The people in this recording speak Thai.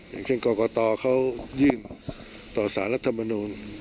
อย่างเช่นกรกตเขายื่นต่อสารรัฐมนูล